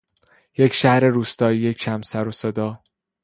یک شهر روستایی کم سرو صدا